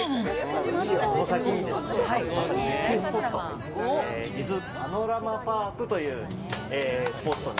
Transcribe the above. この先に、まさに絶景スポット、伊豆パノラマパークというスポットに。